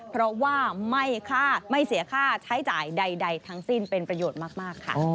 เพราะว่าไม่เสียค่าใช้จ่ายใดทั้งสิ้นเป็นประโยชน์มากค่ะ